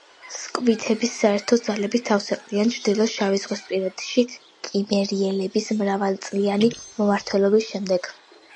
სკვითების საერთო ძალები თავს იყრიან ჩრდილო შავიზღვისპირეთში, კიმერიელების მრავალწლიანი მმართველობის შემდეგ.